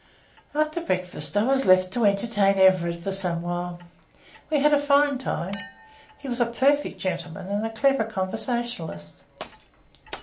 After breakfast I was left to entertain Everard for some while. We had a fine time. He was a perfect gentleman and a clever conversationalist.